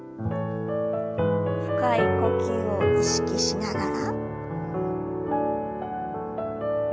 深い呼吸を意識しながら。